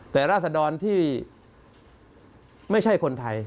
แต่ราศดรที่ไม่ใช่คนไทย